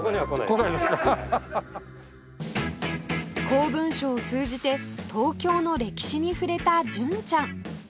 公文書を通じて東京の歴史に触れた純ちゃん